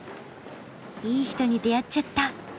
いい人に出会っちゃった。